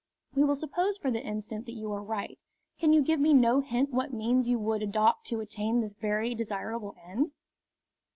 "We will suppose for the instant that you are right. Can you give me no hint what means you would adopt to attain this very desirable end?"